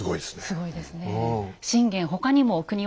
すごいですね。